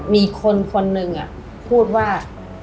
มีคนนึงอ่ะพูดว่า